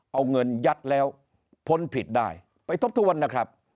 เอาเงินยัดแล้วพ้นผิดได้ไปทบทวนนะครับ